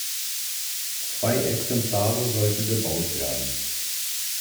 Zwei Exemplare sollten gebaut werden.